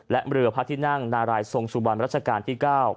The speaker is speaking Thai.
และเรือพระที่นั่งนารายทรงสุบันรัชกาลที่๙